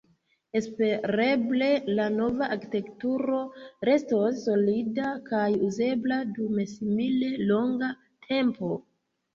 Espereble la nova arkitekturo restos solida kaj uzebla dum simile longa tempo.